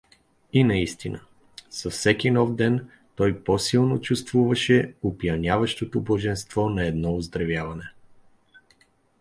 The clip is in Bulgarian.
И наистина, с всеки нов ден той по-силно чувствуваше опияняващото блаженство на едно оздравяне.